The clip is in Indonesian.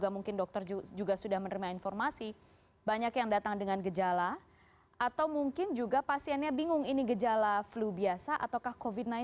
dan mungkin dokter juga sudah menerima informasi banyak yang datang dengan gejala atau mungkin juga pasiennya bingung ini gejala flu biasa atau covid sembilan belas